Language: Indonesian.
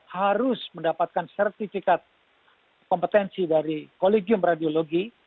harus mendapatkan sertifikat kompetensi dari kolegium radiologi